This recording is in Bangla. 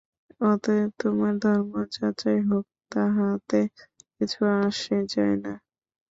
অতএব তোমার ধর্ম যাহাই হউক, তাহাতে কিছু আসে যায় না।